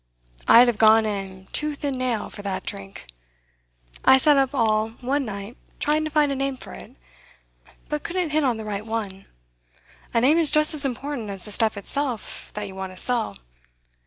I'd have gone in, tooth and nail, for that drink! I sat up all one night trying to find a name for it; but couldn't hit on the right one. A name is just as important as the stuff itself that you want to sell.